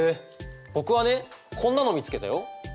僕はねこんなの見つけたよ。